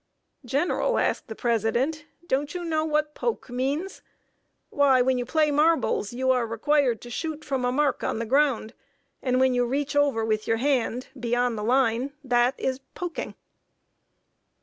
"General," asked the President, "you don't know what 'poke' means? Why, when you play marbles, you are required to shoot from a mark on the ground; and when you reach over with your hand, beyond the line, that is _poking!